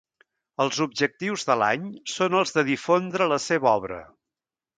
Els objectius de l'Any són els de difondre la seva obra.